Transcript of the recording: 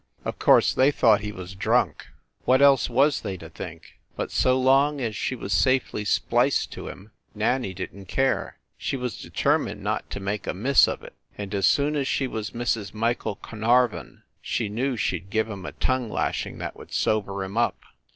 Of course they thought he was drunk. What else was they to think? But so long as she was safely spliced to him, Nanny didn t care she was deter mined not to make a miss of it, and as soon as she was Mrs. Michael Carnarvon she knew she d give him a tongue lashing that would sober him up.